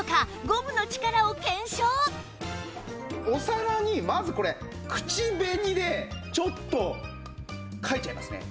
お皿にまずこれ口紅でちょっと書いちゃいますね。